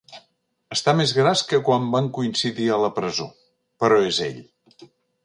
Està més gras que quan van coincidir a la presó, però és ell.